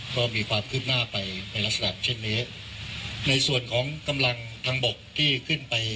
ก็มีความคืบหน้าไปในลักษณะเช่นนี้ในส่วนของกำลังทางบกที่ขึ้นไป